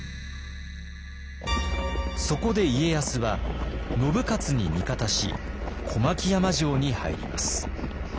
そこで家康は信雄に味方し小牧山城に入ります。